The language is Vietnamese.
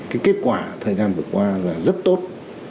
cái kết quả thời gian vừa qua là rất tốt